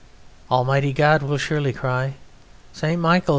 "Almighty God will surely cry 'St. Michael!